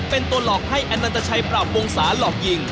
เป็นตัวหลอกให้อนันตชัยปราบวงศาหลอกยิง